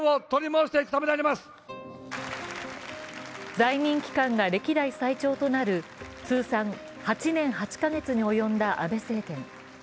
在任期間が歴代最長となる通算８年８か月に及んだ安倍政権。